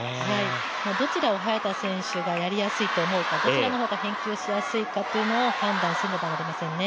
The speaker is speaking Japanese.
どちらを早田選手がやりやすいと思うのかどちらが返球しやすいかというのを判断しなきゃいけないですね。